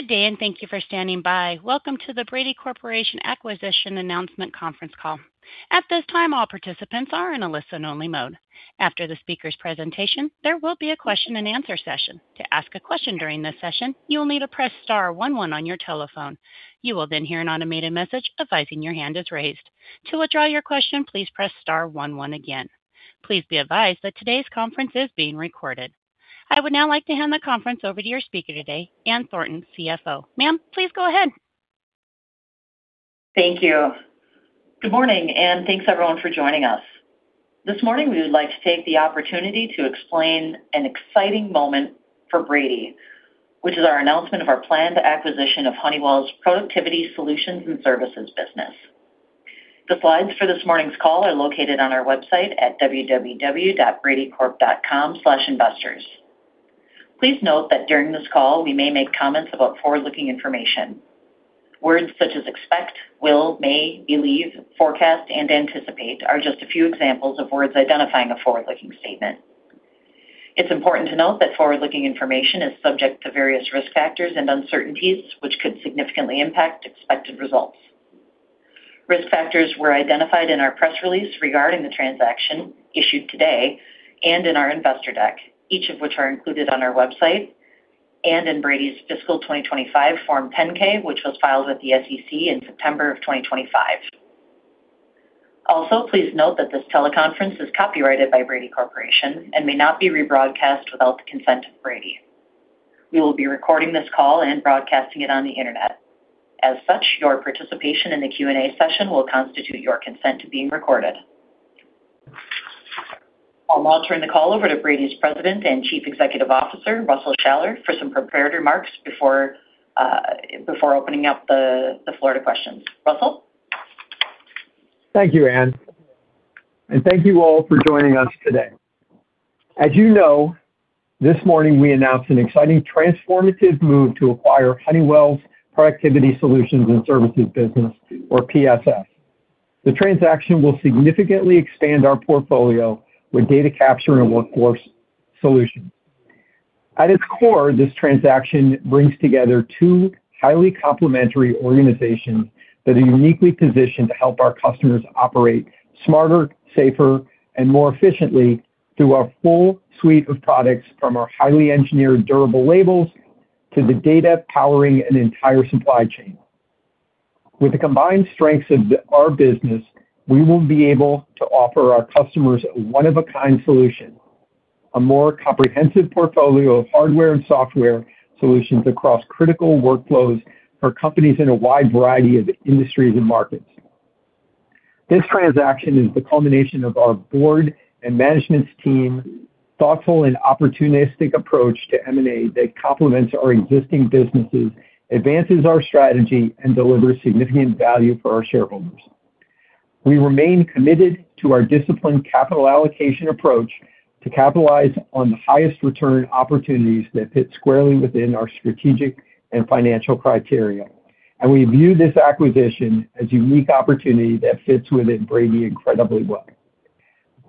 Good day, and thank you for standing by. Welcome to the Brady Corporation Acquisition Announcement Conference Call. At this time, all participants are in a listen-only mode. After the speaker's presentation, there will be a question-and-answer session. To ask a question during this session, you will need to press star 1 1 on your telephone. You will then hear an automated message advising your hand is raised. To withdraw your question, please press star 1 1 again. Please be advised that today's conference is being recorded. I would now like to hand the conference over to your speaker today, Ann Thornton, CFO. Ma'am, please go ahead. Thank you. Good morning, and thanks, everyone, for joining us. This morning, we would like to take the opportunity to explain an exciting moment for Brady, which is our announcement of our planned acquisition of Honeywell's Productivity Solutions and Services business. The slides for this morning's call are located on our website at www.bradycorp.com/investors. Please note that during this call, we may make comments about forward-looking information. Words such as expect, will, may, believe, forecast, and anticipate are just a few examples of words identifying a forward-looking statement. It's important to note that forward-looking information is subject to various risk factors and uncertainties, which could significantly impact expected results. Risk factors were identified in our press release regarding the transaction issued today and in our investor deck, each of which are included on our website and in Brady's fiscal 2025 Form 10-K, which was filed with the SEC in September of 2025. Also, please note that this teleconference is copyrighted by Brady Corporation and may not be rebroadcast without the consent of Brady. We will be recording this call and broadcasting it on the Internet. As such, your participation in the Q&A session will constitute your consent to being recorded. I'll now turn the call over to Brady's President and Chief Executive Officer, Russell Shaller, for some prepared remarks before opening up the floor to questions. Russell? Thank you, Ann. Thank you all for joining us today. As you know, this morning we announced an exciting transformative move to acquire Honeywell's Productivity Solutions and Services business or PSS. The transaction will significantly expand our portfolio with data capture and workforce solutions. At its core, this transaction brings together two highly complementary organizations that are uniquely positioned to help our customers operate smarter, safer, and more efficiently through our full suite of products from our highly engineered durable labels to the data powering an entire supply chain. With the combined strengths of our business, we will be able to offer our customers a one-of-a-kind solution, a more comprehensive portfolio of hardware and software solutions across critical workflows for companies in a wide variety of industries and markets. This transaction is the culmination of our board and management team's thoughtful and opportunistic approach to M&A that complements our existing businesses, advances our strategy, and delivers significant value for our shareholders. We remain committed to our disciplined capital allocation approach to capitalize on the highest return opportunities that fit squarely within our strategic and financial criteria. We view this acquisition as a unique opportunity that fits within Brady incredibly well.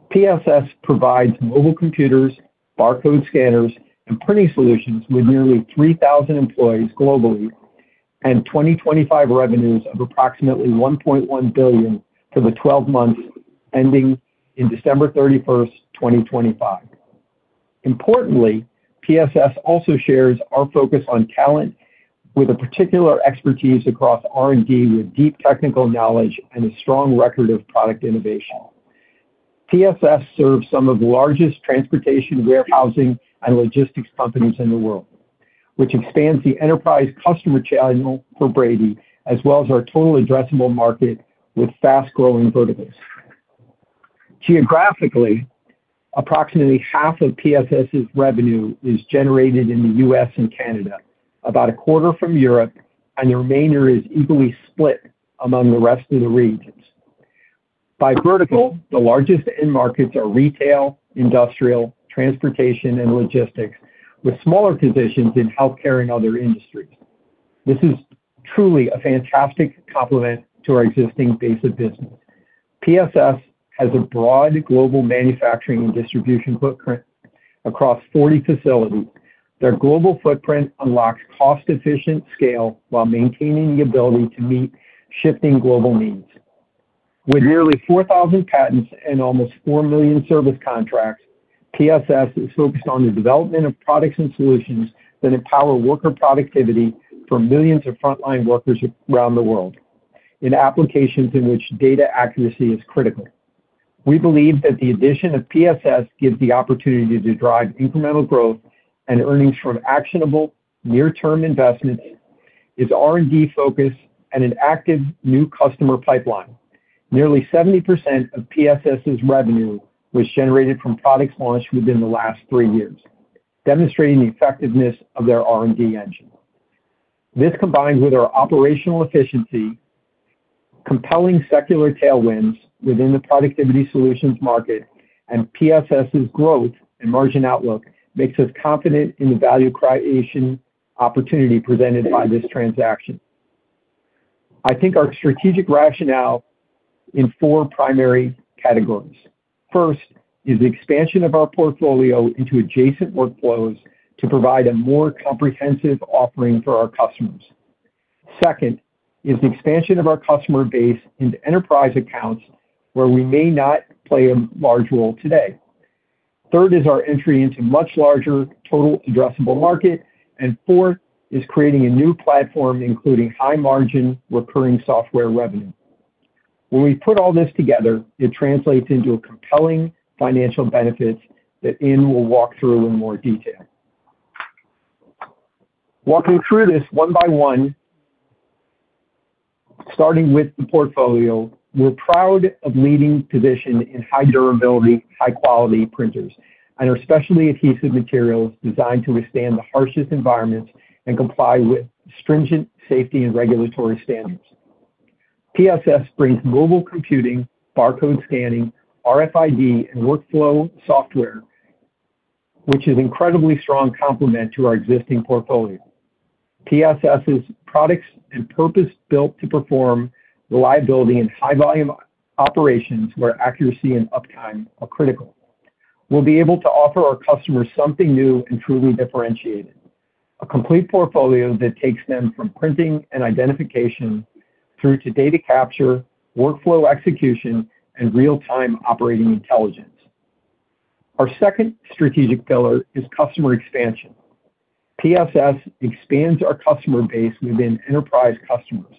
PSS provides mobile computers, barcode scanners, and printing solutions with nearly 3,000 employees globally and 2025 revenues of approximately $1.1 billion for the 12 months ending in December 31st, 2025. Importantly, PSS also shares our focus on talent with a particular expertise across R&D with deep technical knowledge and a strong record of product innovation. PSS serves some of the largest transportation, warehousing, and logistics companies in the world, which expands the enterprise customer channel for Brady, as well as our total addressable market with fast-growing verticals. Geographically, approximately half of PSS's revenue is generated in the U.S. and Canada, about a quarter from Europe, and the remainder is equally split among the rest of the regions. By vertical, the largest end markets are retail, industrial, transportation, and logistics, with smaller positions in healthcare and other industries. This is truly a fantastic complement to our existing base of business. PSS has a broad global manufacturing and distribution footprint across 40 facilities. Their global footprint unlocks cost-efficient scale while maintaining the ability to meet shifting global needs. With nearly 4,000 patents and almost 4 million service contracts, PSS is focused on the development of products and solutions that empower worker productivity for millions of frontline workers around the world in applications in which data accuracy is critical. We believe that the addition of PSS gives the opportunity to drive incremental growth and earnings from actionable near-term investments, its R&D focus, and an active new customer pipeline. Nearly 70% of PSS's revenue was generated from products launched within the last 3 years, demonstrating the effectiveness of their R&D engine. This, combined with our operational efficiency, compelling secular tailwinds within the productivity solutions market, and PSS's growth and margin outlook, makes us confident in the value creation opportunity presented by this transaction. I think our strategic rationale in four primary categories. First is the expansion of our portfolio into adjacent workflows to provide a more comprehensive offering for our customers. Second is the expansion of our customer base into enterprise accounts where we may not play a large role today. Third is our entry into much larger total addressable market, and fourth is creating a new platform, including high-margin recurring software revenue. When we put all this together, it translates into compelling financial benefits that Ann will walk through in more detail. Walking through this one by one, starting with the portfolio, we're proud of leading position in high durability, high-quality printers and our specialty adhesive materials designed to withstand the harshest environments and comply with stringent safety and regulatory standards. PSS brings mobile computing, barcode scanning, RFID, and workflow software, which is incredibly strong complement to our existing portfolio. PSS's products are purpose-built to perform reliably in high-volume operations where accuracy and uptime are critical. We'll be able to offer our customers something new and truly differentiated. A complete portfolio that takes them from printing and identification through to data capture, workflow execution, and real-time operating intelligence. Our second strategic pillar is customer expansion. PSS expands our customer base within enterprise customers.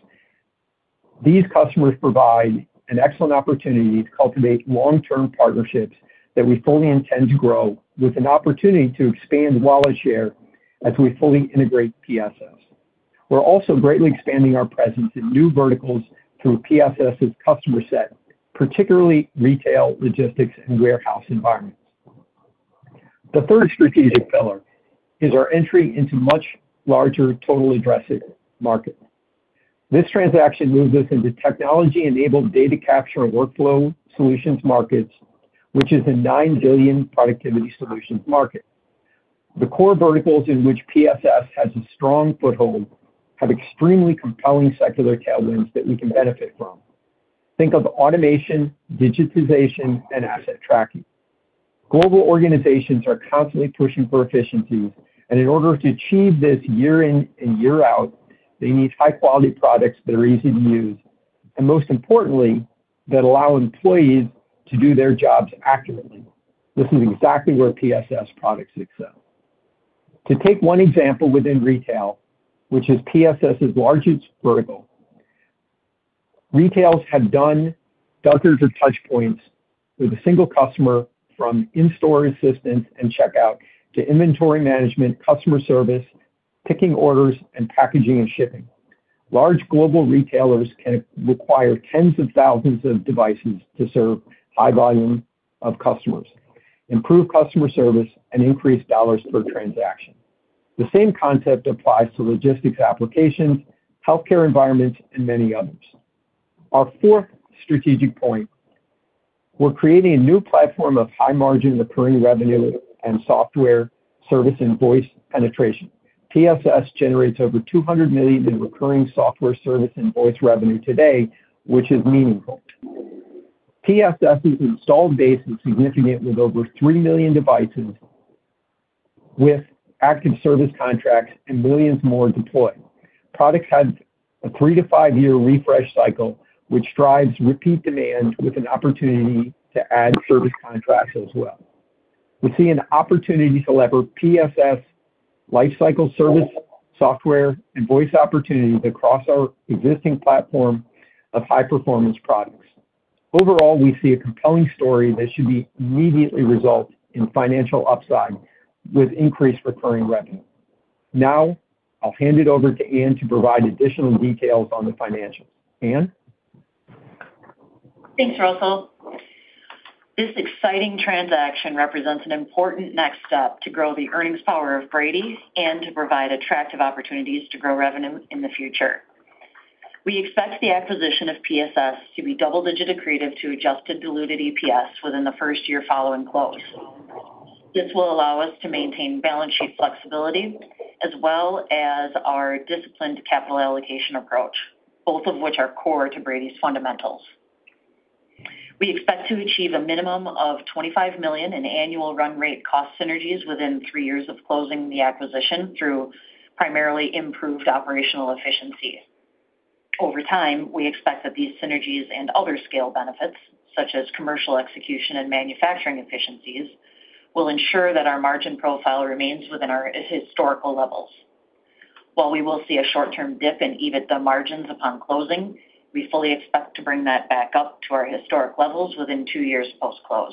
These customers provide an excellent opportunity to cultivate long-term partnerships that we fully intend to grow with an opportunity to expand wallet share as we fully integrate PSS. We're also greatly expanding our presence in new verticals through PSS's customer set, particularly retail, logistics, and warehouse environments. The third strategic pillar is our entry into much larger total addressable market. This transaction moves us into technology-enabled data capture and workflow solutions markets, which is a $9 billion productivity solutions market. The core verticals in which PSS has a strong foothold have extremely compelling secular tailwinds that we can benefit from. Think of automation, digitization, and asset tracking. Global organizations are constantly pushing for efficiencies, and in order to achieve this year in and year out, they need high-quality products that are easy to use, and most importantly, that allow employees to do their jobs accurately. This is exactly where PSS products excel. To take one example within retail, which is PSS's largest vertical. Retailers have dozens of touchpoints with a single customer from in-store assistance and checkout to inventory management, customer service, picking orders, and packaging and shipping. Large global retailers can require tens of thousands of devices to serve high volume of customers, improve customer service, and increase dollars per transaction. The same concept applies to logistics applications, healthcare environments, and many others. Our fourth strategic point, we're creating a new platform of high-margin recurring revenue and software service and voice penetration. PSS generates over $200 million in recurring software service and voice revenue today, which is meaningful. PSS's installed base is significant with over 3 million devices with active service contracts and millions more deployed. Products have a 3- to 5-year refresh cycle, which drives repeat demand with an opportunity to add service contracts as well. We see an opportunity to leverage PSS lifecycle service, software, and voice opportunities across our existing platform of high-performance products. Overall, we see a compelling story that should immediately result in financial upside with increased recurring revenue. Now I'll hand it over to Ann to provide additional details on the financials. Ann? Thanks, Russell. This exciting transaction represents an important next step to grow the earnings power of Brady and to provide attractive opportunities to grow revenue in the future. We expect the acquisition of PSS to be double-digit accretive to adjusted diluted EPS within the first year following close. This will allow us to maintain balance sheet flexibility as well as our disciplined capital allocation approach, both of which are core to Brady's fundamentals. We expect to achieve a minimum of $25 million in annual run rate cost synergies within three years of closing the acquisition through primarily improved operational efficiencies. Over time, we expect that these synergies and other scale benefits, such as commercial execution and manufacturing efficiencies, will ensure that our margin profile remains within our historical levels. While we will see a short-term dip in EBITDA margins upon closing, we fully expect to bring that back up to our historic levels within 2 years post-close.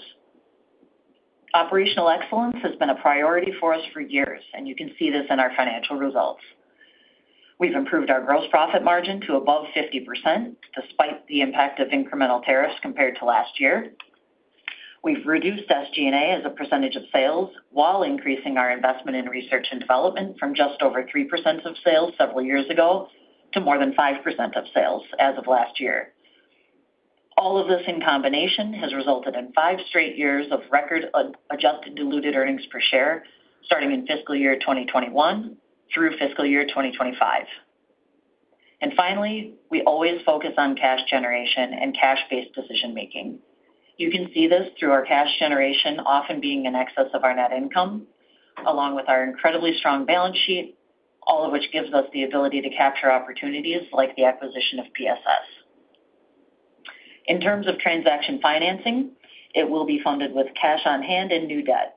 Operational excellence has been a priority for us for years, and you can see this in our financial results. We've improved our gross profit margin to above 50%, despite the impact of incremental tariffs compared to last year. We've reduced SG&A as a percentage of sales while increasing our investment in research and development from just over 3% of sales several years ago to more than 5% of sales as of last year. All of this in combination has resulted in five straight years of record adjusted diluted earnings per share, starting in fiscal year 2021 through fiscal year 2025. Finally, we always focus on cash generation and cash-based decision-making. You can see this through our cash generation often being in excess of our net income, along with our incredibly strong balance sheet, all of which gives us the ability to capture opportunities like the acquisition of PSS. In terms of transaction financing, it will be funded with cash on hand and new debt.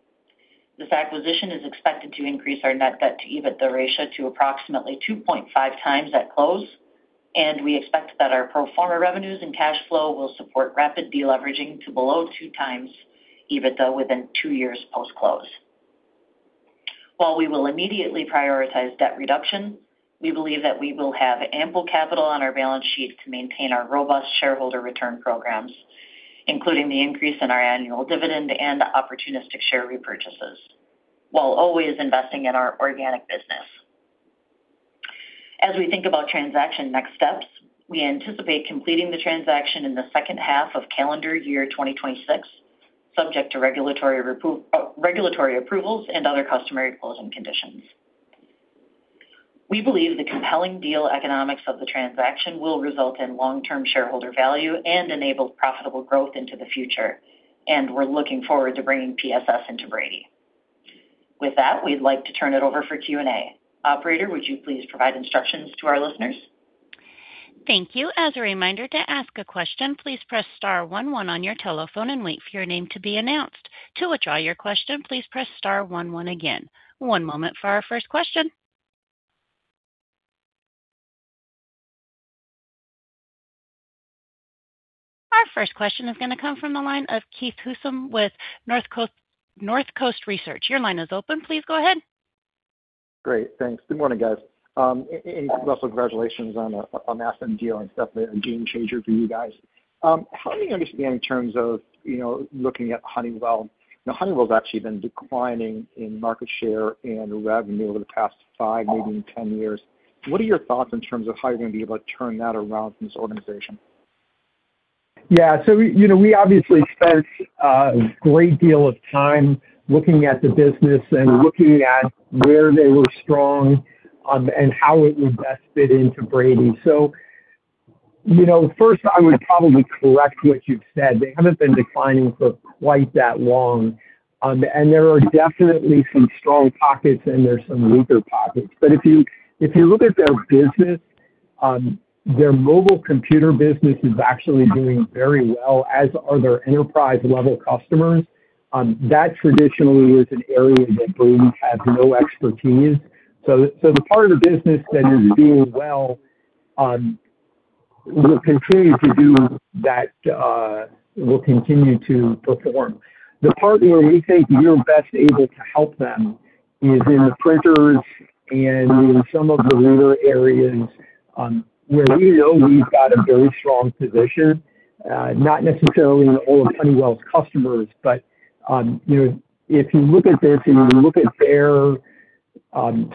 This acquisition is expected to increase our net debt-to-EBITDA ratio to approximately 2.5x at close, and we expect that our pro forma revenues and cash flow will support rapid de-leveraging to below 2x EBITDA within two years post-close. While we will immediately prioritize debt reduction, we believe that we will have ample capital on our balance sheet to maintain our robust shareholder return programs, including the increase in our annual dividend and opportunistic share repurchases, while always investing in our organic business. As we think about transaction next steps, we anticipate completing the transaction in the second half of calendar year 2026, subject to regulatory approvals and other customary closing conditions. We believe the compelling deal economics of the transaction will result in long-term shareholder value and enable profitable growth into the future, and we're looking forward to bringing PSS into Brady. With that, we'd like to turn it over for Q&A. Operator, would you please provide instructions to our listeners? Thank you. As a reminder, to ask a question, please press star 1 1 on your telephone and wait for your name to be announced. To withdraw your question, please press star 1 1 again. One moment for our first question. Our first question is going to come from the line of Keith Housum with Northcoast Research. Your line is open. Please go ahead. Great. Thanks. Good morning, guys. Also congratulations on a massive deal and definitely a game changer for you guys. How do you understand in terms of looking at Honeywell? Now Honeywell's actually been declining in market share and revenue over the past 5, maybe 10 years. What are your thoughts in terms of how you're going to be able to turn that around from this organization? Yeah. We obviously spent a great deal of time looking at the business and looking at where they were strong, and how it would best fit into Brady. First I would probably correct what you've said. They haven't been declining for quite that long. There are definitely some strong pockets and there's some weaker pockets. If you look at their business, their mobile computer business is actually doing very well, as are their enterprise-level customers. That traditionally is an area that Brady has no expertise. The part of the business that is doing well will continue to perform. The part where we think we're best able to help them is in the printers and in some of the weaker areas, where we know we've got a very strong position. Not necessarily all of Honeywell's customers, but if you look at this and you look at their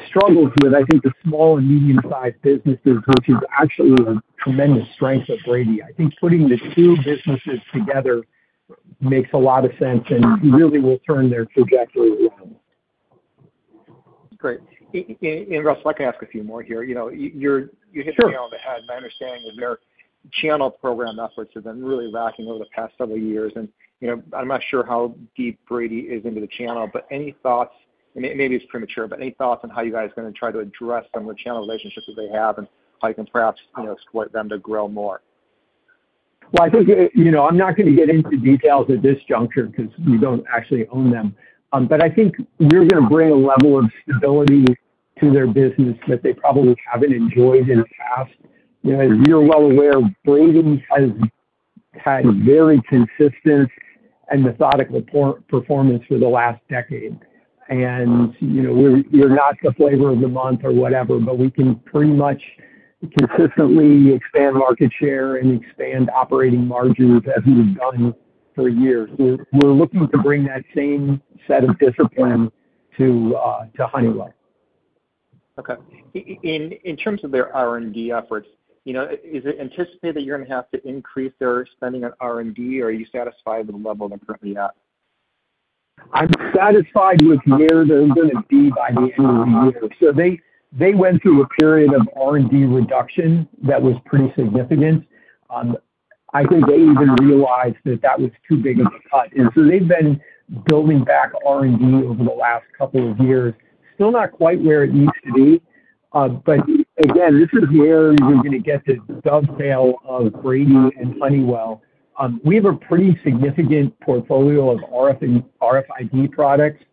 struggles with, I think, the small and medium-sized businesses, which is actually a tremendous strength of Brady. I think putting the two businesses together makes a lot of sense and really will turn their trajectory around. Great. Russell, if I could ask a few more here. Sure. You hit the nail on the head. My understanding is their channel program efforts have been really lacking over the past several years, and I'm not sure how deep Brady is into the channel, but any thoughts, and maybe it's premature, but any thoughts on how you guys are going to try to address some of the channel relationships that they have and how you can perhaps support them to grow more? Well, I think, I'm not going to get into details at this juncture because we don't actually own them. I think we're going to bring a level of stability to their business that they probably haven't enjoyed in the past. As you're well aware, Brady has had very consistent and methodical performance for the last decade. We're not the flavor of the month or whatever, but we can pretty much consistently expand market share and expand operating margins as we've done for years. We're looking to bring that same set of discipline to Honeywell. Okay. In terms of their R&D efforts, is it anticipated that you're going to have to increase their spending on R&D, or are you satisfied with the level they're currently at? I'm satisfied with where they're going to be by the end of the year. They went through a period of R&D reduction that was pretty significant. I think they even realized that that was too big of a cut. They've been building back R&D over the last couple of years. Still not quite where it needs to be. Again, this is where you're going to get the dovetail of Brady and Honeywell. We have a pretty significant portfolio of RFID products.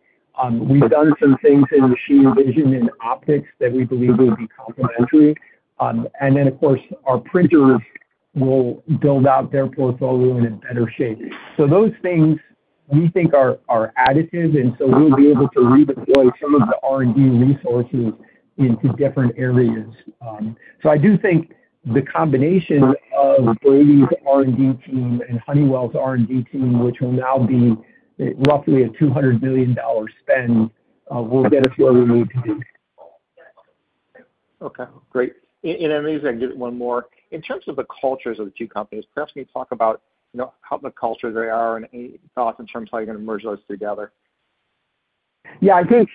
We've done some things in machine vision and optics that we believe will be complementary. Then, of course, our printers will build out their portfolio in a better shape. Those things we think are additive, and so we'll be able to redeploy some of the R&D resources into different areas. I do think the combination of Brady's R&D team and Honeywell's R&D team, which will now be roughly a $200 million spend, will get us where we need to be. Okay, great. Maybe if I can get one more. In terms of the cultures of the two companies, perhaps you can talk about how the cultures they are and any thoughts in terms of how you're going to merge those together. Yeah. I think,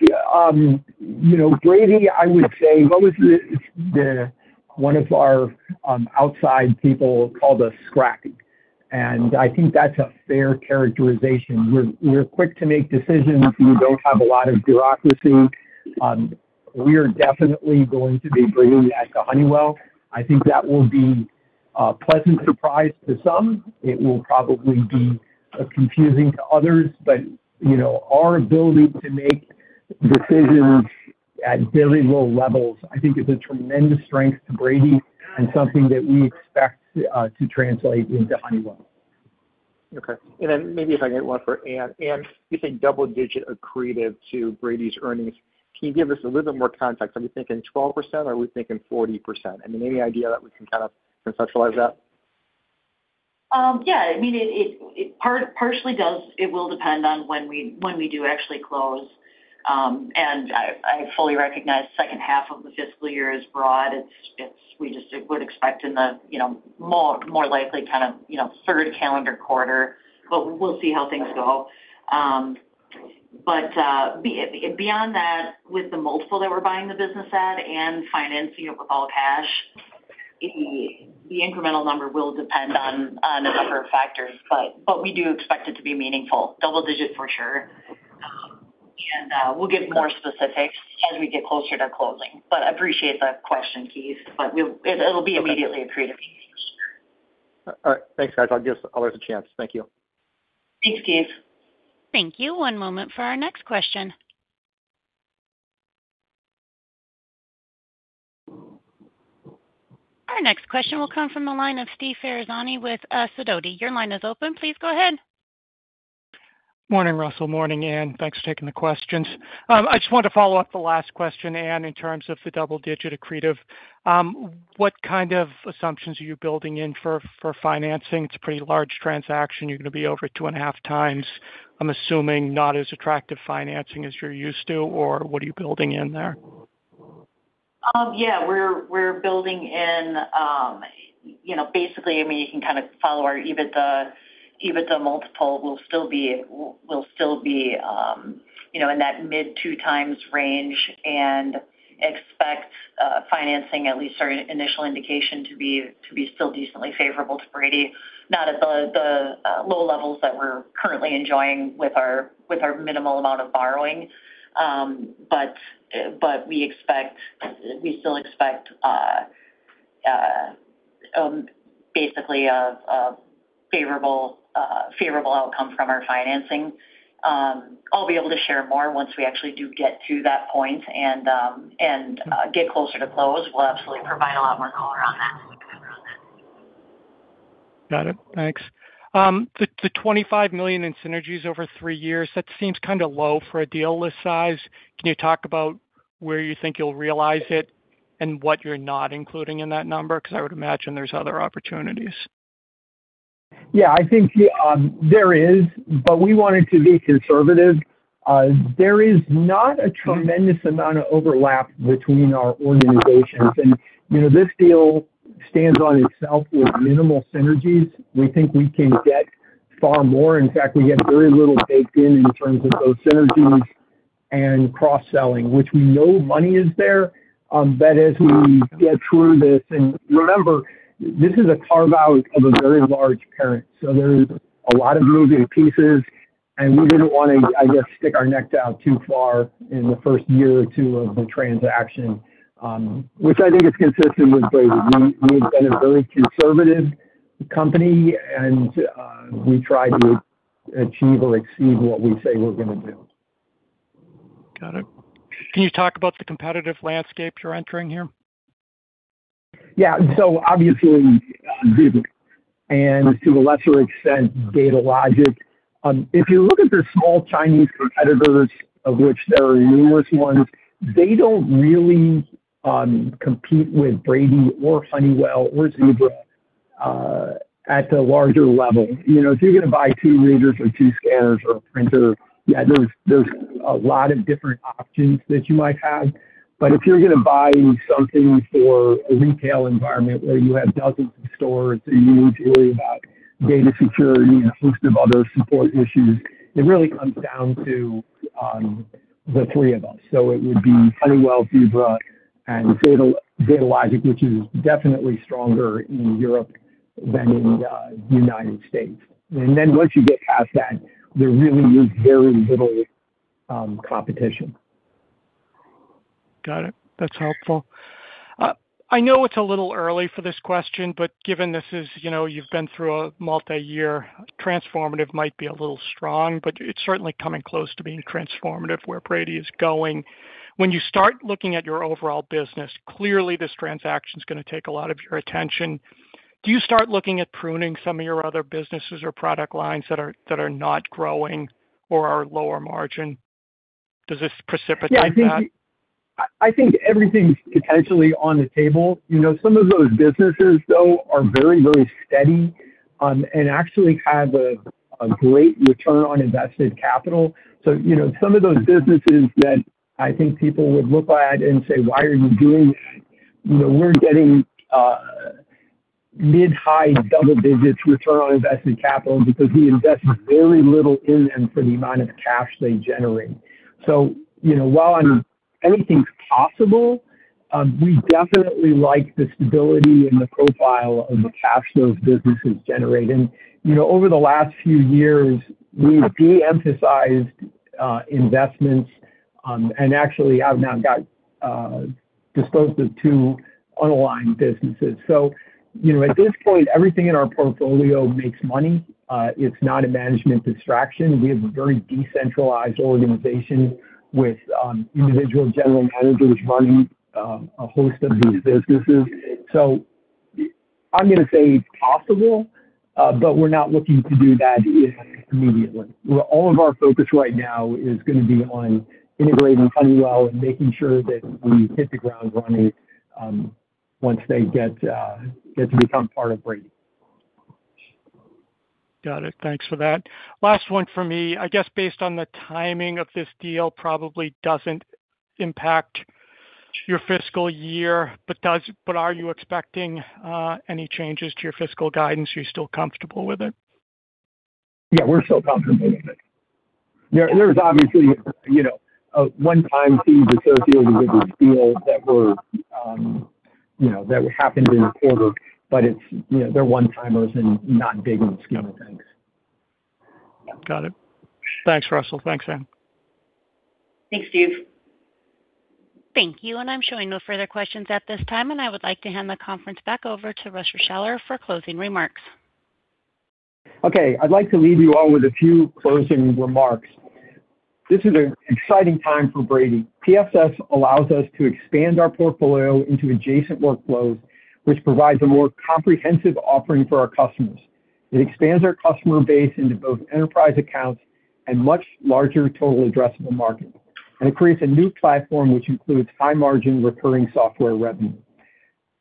Brady, I would say, one of our outside people called us scrappy, and I think that's a fair characterization. We're quick to make decisions. We don't have a lot of bureaucracy. We're definitely going to be bringing that to Honeywell. I think that will be a pleasant surprise to some. It will probably be confusing to others, but our ability to make decisions at very low levels, I think is a tremendous strength to Brady and something that we expect to translate into Honeywell. Okay. Maybe if I can get one for Ann. Ann, you say double-digit accretive to Brady's earnings. Can you give us a little bit more context? Are we thinking 12% or are we thinking 40%? I mean, any idea that we can kind of conceptualize that? Yeah. I mean, it partially does. It will depend on when we do actually close. I fully recognize second half of the fiscal year is broad. We just would expect in the more likely kind of third calendar quarter, but we'll see how things go. Beyond that, with the multiple that we're buying the business at and financing with all cash, the incremental number will depend on a number of factors. We do expect it to be meaningful, double digit for sure. We'll give more specifics as we get closer to closing. I appreciate the question, Keith. It'll be immediately accretive for sure. All right. Thanks, guys. I'll give others a chance. Thank you. Thanks, Keith. Thank you. One moment for our next question. Our next question will come from the line of Steve Ferazani with Sidoti. Your line is open. Please go ahead. Morning, Russell. Morning, Ann. Thanks for taking the questions. I just wanted to follow up the last question, Ann, in terms of the double digit accretive. What kind of assumptions are you building in for financing? It's a pretty large transaction. You're going to be over 2.5x. I'm assuming not as attractive financing as you're used to, or what are you building in there? Yeah, we're building in, basically. You can kind of follow our EBITDA multiple. It will still be in that mid-2x range and expect financing at least our initial indication to be still decently favorable to Brady. Not at the low levels that we're currently enjoying with our minimal amount of borrowing. We still expect basically a favorable outcome from our financing. I'll be able to share more once we actually do get to that point and get closer to close. We'll absolutely provide a lot more color on that. Got it. Thanks. The $25 million in synergies over 3 years, that seems kind of low for a deal this size. Can you talk about where you think you'll realize it and what you're not including in that number? Because I would imagine there's other opportunities. Yeah, I think there is. We wanted to be conservative. There is not a tremendous amount of overlap between our organizations. This deal stands on itself with minimal synergies. We think we can get far more. In fact, we have very little baked in terms of those synergies and cross-selling, which we know money is there. As we get through this, and remember, this is a carve-out of a very large parent, so there's a lot of moving pieces, and we didn't want to, I guess, stick our neck out too far in the first year or two of the transaction, which I think is consistent with Brady. We have been a very conservative company, and we try to achieve or exceed what we say we're going to do. Got it. Can you talk about the competitive landscape you're entering here? Yeah. Obviously, Zebra and to a lesser extent, Datalogic. If you look at the small Chinese competitors, of which there are numerous ones, they don't really compete with Brady or Honeywell or Zebra at the larger level. If you're going to buy two readers or two scanners or a printer, yeah, there's a lot of different options that you might have. But if you're going to buy something for a retail environment where you have dozens of stores and you need to worry about data security and a host of other support issues, it really comes down to the three of us. It would be Honeywell, Zebra, and Datalogic, which is definitely stronger in Europe than in the United States. Once you get past that, there really is very little competition. Got it. That's helpful. I know it's a little early for this question, but given this is, you've been through a multi-year, transformative might be a little strong, but it's certainly coming close to being transformative where Brady is going. When you start looking at your overall business, clearly this transaction is going to take a lot of your attention. Do you start looking at pruning some of your other businesses or product lines that are not growing or are lower margin? Does this precipitate that? Yeah, I think everything's potentially on the table. Some of those businesses, though, are very steady. Actually have a great return on invested capital. Some of those businesses that I think people would look at and say, "Why are you doing that?" We're getting mid-high double digits return on invested capital because we invest very little in them for the amount of cash they generate. While anything's possible, we definitely like the stability and the profile of the cash those businesses generate. Over the last few years, we've de-emphasized investments. Actually, I've now disposed of two unaligned businesses. At this point, everything in our portfolio makes money. It's not a management distraction. We have a very decentralized organization with individual general managers running a host of these businesses. I'm going to say it's possible, but we're not looking to do that immediately, where all of our focus right now is going to be on integrating Honeywell and making sure that we hit the ground running once they get to become part of Brady. Got it. Thanks for that. Last one from me. I guess based on the timing of this deal, probably doesn't impact your fiscal year, but are you expecting any changes to your fiscal guidance? Are you still comfortable with it? Yeah, we're still comfortable with it. There's obviously a one-time fee associated with this deal that happened in the quarter, but they're one-timers and not big in the scheme of things. Got it. Thanks, Russell. Thanks, Ann. Thanks, Steve. Thank you. I'm showing no further questions at this time, and I would like to hand the conference back over to Russell Shaller for closing remarks. Okay. I'd like to leave you all with a few closing remarks. This is an exciting time for Brady. PSS allows us to expand our portfolio into adjacent workflows, which provides a more comprehensive offering for our customers. It expands our customer base into both enterprise accounts and much larger total addressable market. It creates a new platform which includes high-margin recurring software revenue.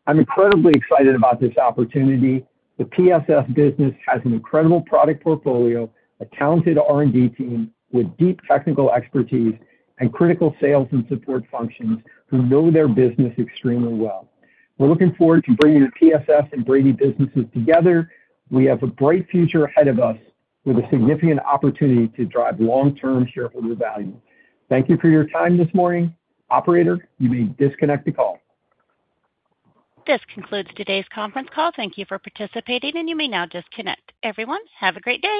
I'm incredibly excited about this opportunity. The PSS business has an incredible product portfolio, a talented R&D team with deep technical expertise, and critical sales and support functions who know their business extremely well. We're looking forward to bringing the PSS and Brady businesses together. We have a bright future ahead of us with a significant opportunity to drive long-term shareholder value. Thank you for your time this morning. Operator, you may disconnect the call. This concludes today's conference call. Thank you for participating, and you may now disconnect. Everyone, have a great day.